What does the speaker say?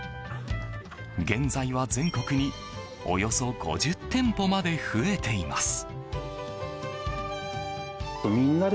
現在は全国におよそ５０店舗まで増えています。